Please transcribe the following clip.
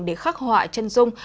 để khắc họa chân dung